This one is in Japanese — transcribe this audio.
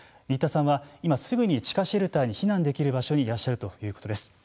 新田さんは今すぐに地下シェルターに避難できる場所にいらっしゃるということです。